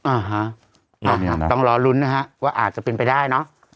อ่าฮะต้องรอลุ้นนะฮะว่าอาจจะเป็นไปได้เนอะ